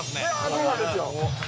そうなんですよ。